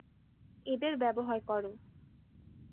এদের ব্যবহার করো।